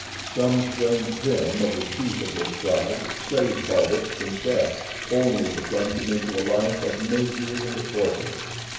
Some strange whim of the chief of this tribe saved Paulvitch from death only to plunge him into a life of misery and torture.